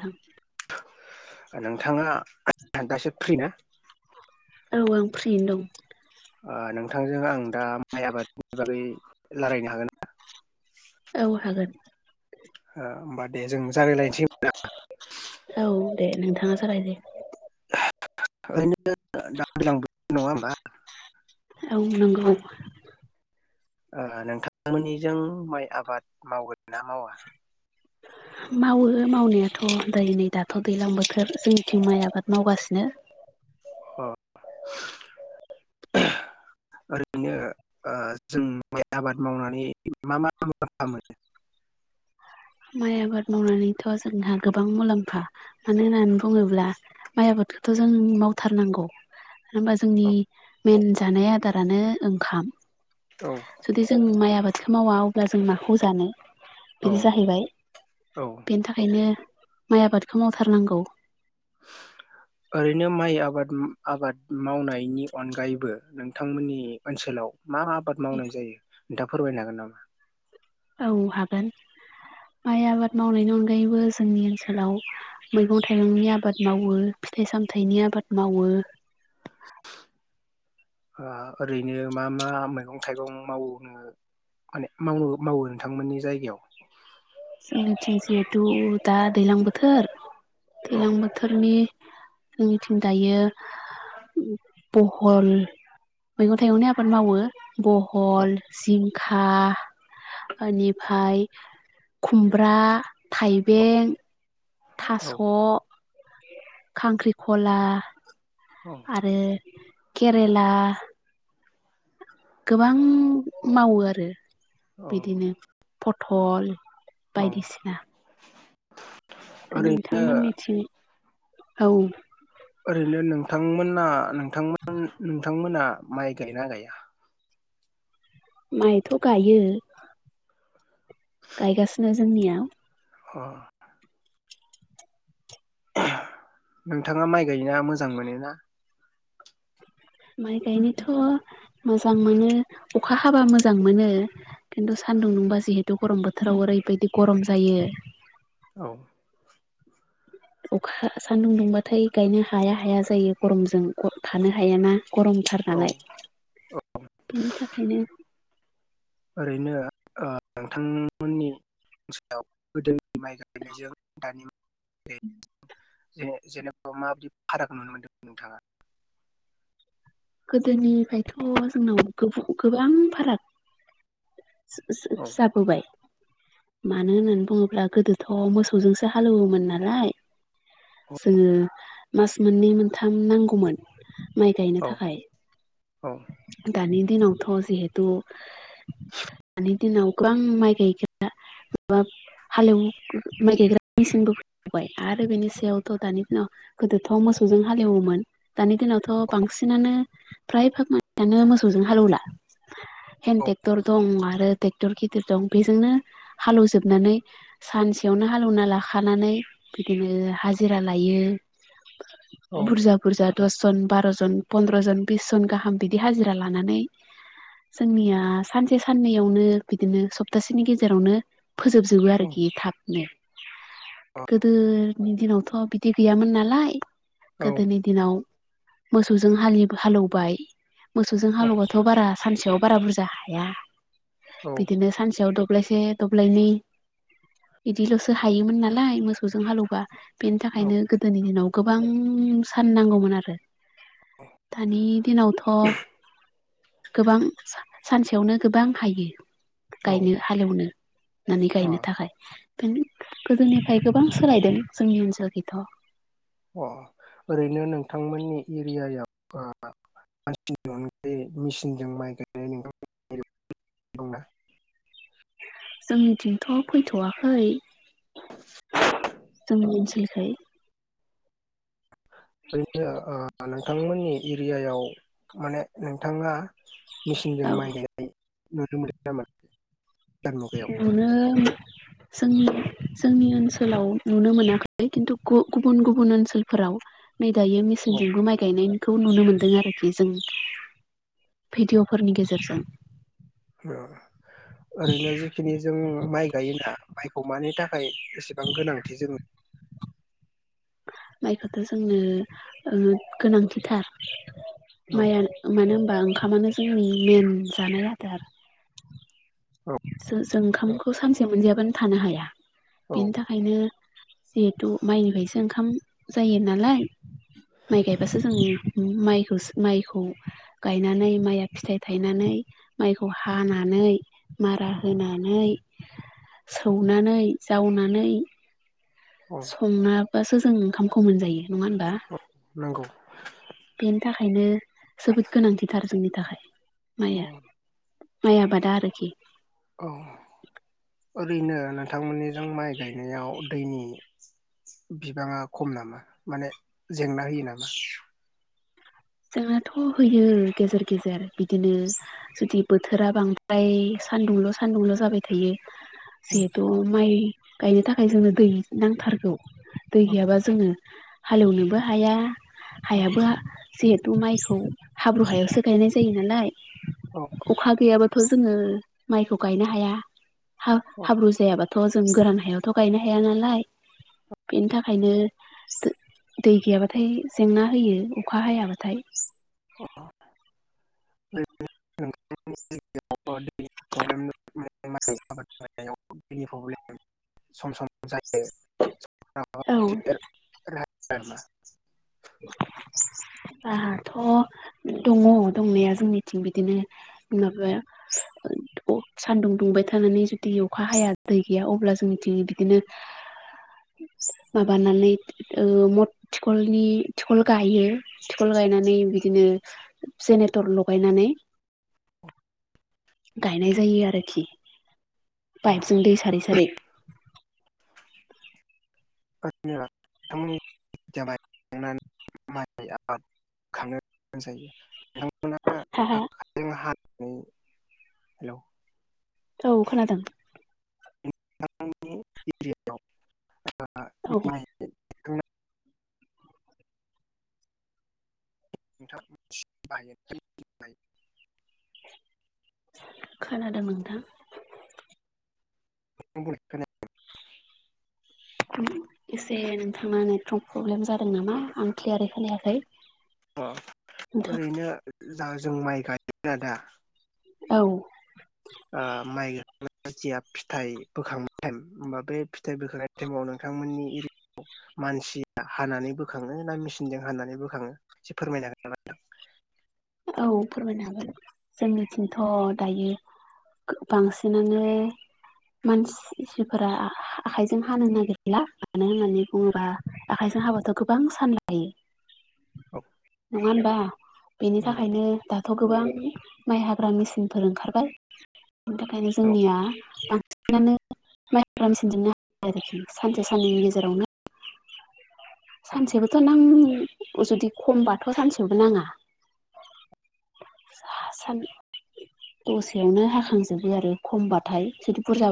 नोंथां नोंथाङा दासो फ्रि ना औ आं फ्रियैनो दं ओ नोंथांजों आं दा माइ आबादनि बागै रायलायनो हागोन ना दं औ हागोन ओ होमबा दे जों जागायलायनोसै औ दे नोंथाङा सावराय दे ओरैनो दा दैज्लां बोथोर नङा होमबा औ नंगौ ओ नोंथांमोननिजों माइ आबाद मावगोन ना मावा [inaudible] मावो मावनायाथ' दायो नै दाथ' दैज्लां बोथोर जोंनिथिं माइ आबाद मावगासिनो अ [inaudible] ओरैनो ओ जों माइ आबाद मावनानै मा मा मुलाम्फा मोनो [inaudible] माइ आबाद मावनानैथ' जोंहा गोबां मुलाम्फा मानो होननानै बुङोब्ला माइ आबाद आबादखौथ' जों मावथारनांगौ मानो होनबा जोंनि मेन जानाय आदारानो ओंखाम औ जुदि जों माइ आबादखौ मावा अब्ला जों माखौ जानो औ बिदि जाहैबाय औ बेनि थाखायनो माइ आबादखौ मावथारनांगौ ओरैनो माइ आबाद आबाद मावनायनि अनगायैबो नोंथांमोननि ओनसोलाव मा आबाद मावनाय जायो नोंथाङा फोरमायनो हागोन नामा औ हागोन माइ आबाद मावनायनि अनगायैबो जोंनि ओनसोलाव मैगं थाइगंनि आबाद मावो फिथाइ सामथाइनि आबाद मावो ओ ओरैनो मा मा मैगं थाइगं मावो माने मावनो मावो नोंथांमोननि जायगायाव जोंनिथिं जिहेथु दा दैलां बोथोर औ दैलां बोथोरनि जोंनिथिं दायो बहल मैगं थाइगंनि आबाद मावो औ बहल जिंखा बेनिफ्राय खुमब्रा थाइबें औ थास' खांख्रिखला औ आरो केरेला गोबां मावो आरो औ बिदिनो पथल औ बायदिसिना ओरै नोंथांमोननिथि औ ओरैनो नोंथांमोना नोंथ [unintelligible] नोंथांमोना माइ गायना गैया माइथ' गायो गायगासिनो जोंनियाव अ नोंथाङा माइ गायना मोजां मोनोना माइ गायनोथ' मोजां मोनो अखा हाबा मोजां मोनो खिन्थु सान्दुं दुंबा जिहेतु गरम बोथोराव ओरैबायदि गरम जायो औ अखा सान्दुं दुंबाथाय गायनो हाया हाया जायो गरमजों थानो हायाना। गरमथार औ नालाय बेनि थाखायनो ओरैनो ओ नोंथांमोननि ओनसोलाव गोदोनि माइ गायनायजों दानि [inaudible] ज' जेनेबा माबायदि फाराग नुनो मोनदों नोंथाङा? गोदोनिफायथ' जोंनाव गोबौ गोबां फाराग औ ज-ज-जाबोबाय मानो होननानै बुङोब्ला गोदोथ' मोसौजोंसो हालेवोमोन नालाय। जोङो मास मोननै मोनथाम नांगौमोन। माइ गायनो औ थाखाय औ दानि दिनावथ' जिहेथु दानि दिनाव गोबां माइ गायग्रा मबा हालेव नाइ माइ गायग्रा मेचिनबो फैबावबाय आरो बेनि सायावथ' दानि दिनाव गोदोथ' मो सौजों हालेवोमोन दानि दिनावथ' बांसिनानो फ्राय फाग [unintelligible] मानो मोसौजों हालौवला। हेन्द टेक्टर दं आरो ट्रेक्टर गिदिर दं बेजोंनो हालेवजोबनानै सानसेयावनो हालौवना लाखानानै बिदिनो हाजिरा लायो। औ बुरजा बुरजा दसजन, बार'जन, पन्द्र'जन बिस जन गाहाम बिदि हाजिरा लानानै जोंनिया सानसे साननैयावनो बिदिनो सप्तासेनि गेजे जेरावनो फोजोबजोबो आरोखि थाबनो। गोदोनि दिनावथ' बिदि गैयामोन नालाय गोदोनि दिनाव मोसौजों हालि हालेवबाय मोसौजों हालेवबाथ' बारा सानसेयाव बारा बुरजा हाया। औ बिदिनो सानसेयाव दब्लायसे दब्लायनै बिदिल'सो हायोमोन नालाय मोसौजों हालौबा बेनि थाखायनो गोदोनि दिनाव गोबां सान नांगौमोन आरो दानि दिनावथ' गोबां सानसेयावनो गोबां हायो। औ गायनो हालेवनो होननानै अ गायनो थाखाय गोदोनिफ्राय गोबां सोलायदों जोंनि ओनसोलखि थ' अ ओरैनो नोंथांमोननि एरियायाव [unintelligible] मेसिनजों माइ गायनाय [inaudible] दंदा। जोंनिथिंथ' फैथ'वाखै जोंनि मोनथियिखाय [unintelligible] नोंथांमोननि एरियायाव माने नोंथाङा मेचिनजों औ माइ गाय नुनो मोनो नामा? गोदान मुगायाव नुनो जोंनि जोंनि ओनसोलाव नुनो मोनाखै किन्टु गुबुन गुबुन ओनसोलफोराव नै दायो औ मेसिनजोंबो माइ गायनायखौ नुनो मोन्दों आरोखि जों। भिडिअ'फोरनि गेजेरजों औ ओरैनो जिखिनि जों माइ गायोना माइखौ मानि था थाखाय एसेबां गोनांथि जोङो माइखौथ' जोंनो ओ गोनांथिथार औ माइआ मानो होनबा ओंखामानो जोंनि मेन जानाय आदार। जो जों ओंखामखौ सानसे मोनजायाबानो थानो हाया औ बेनि थाखायनो जिहेथु माइनिफ्रायसो ओंखाम जायो नालाय माइ गायबासो जों माइ सो माइखौ गायनानै माइया फिथाइ थायनानै माइखौ हानानै मारा औ होनानै सौनानै जावनानै औ संनाबासो जों ओंखामखौ मोनजायो नङा होनबा औ नंगौ बेनि थाखायनो जोबोद गोनांथिथार जोंनि थाखाय औ माइया माइ आबादा आरोखि औ ओरैनो नोंथांमोननिजों माइ गायनायाव दैनि बिबाङा खम नामा माने जेंना होयो नामा जोंनाथ' होयो गेजेर गेजेर बिदिनो जुदि बोथोरा बांद्राय सान्दुंल' सान्दुंल' जाबाय थायो सम जिहेथु माइ गायनो थाखाय जोंनो दै नांथारगौ दै गैयाबा जोङो हालेवनोबो हाया हायाबो जिहेथु माइखौ हाब्रु हायावसो गायनाय जायो नालाय औ थ जोङो माइखौ गायनो हाया हा हाब्रु जायाब्लाथ थ' जों गोरान हायावथ' गायनो हाया नालाय बेनि थाखायनो दै गैयाबाथाय जेंना होयो अखा हायाबाथाय अ [inaudible] [inaudible] औ [inaudible] अ [inaudible] थ' दङ दंनाया जोंनिथिं बिदिनो माबा सानदुं दुंबाय थानानै जुदि अखा हाया दै गैया अब्ला जोंनिथिं बिदिनो माबानानै ओ मदथिखलनि थिखल गायो थिखल गायनानै बिदिनो जेनेरेटर लगायनानै गायनाय जायो आरोखि पाइपजों दै सारै सारै [inaudible] माइ आबाद खांनो गोनां जायो हा हा न हेल' औ खोनादों नोंथांनि एरियायाव औ मा [inaudible] [inaudible] खोनादों नोंथां [inaudible] एसे नोंथाङा नेटवर्क प्रब्लेम जादों नामा आं क्लियारै खालयाखै अ ओरैनो जों माइ गायोन आ दा औ आ माइ ग या फिथाइ बोखांनाय ाइम होमबा बे फिथाइ बोखांनाय टाइमाव नोंथांमोननि एरिया मानसिया हानानै बोखाङो ना मेसिनजों हानानै बोखाङो एसे फोरमायनाागोन नाां [inaudible] औ फोरमायनो हागोन जोंनिथिंथ' दायो बांसिनानो मानसिफोरा आखाइजों हानो नागिरला मानो होननानै बुङोबा आखजों हाबाथ' गोबां सानलायो हागोन औ नङा होनबा बेनि थाखायनो दाथ' गोबां गोबां माइ हाग्रा मेसिनफोर ओंखारबाय बेनि थाखायनो नंगौ औ जोंनिया बांस [unintelligible] आरोखि सानसे साननैनि गेजेरावनो सानसेबोथ' नां जुदि खमबाथ' सानसेबो नाङा साहासान दसेयावनो हाखांजोबो आरो खमबाथाय जुदि बुरजा